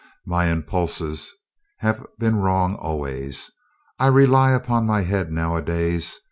My impulses have been wrong always. I rely upon my head nowadays.